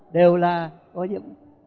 đều là ô nhiễm